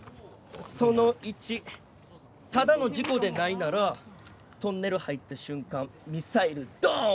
その１ただの事故でないならトンネル入った瞬間ミサイルドーン！